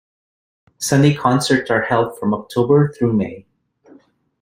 Sunday Concerts are held from October through May.